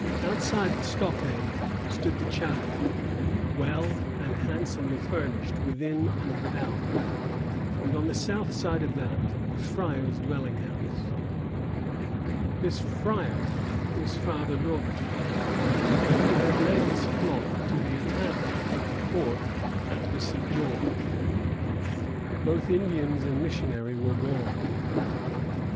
Outside the stockade stood the chapel, "well and handsomely furnished within and without, and on the south side of that the Fryer's dwelling house." This "Fryer" was Father Lauverjat, who had led his flock to the attack of the fort at the St. George. Both Indians and missionary were gone.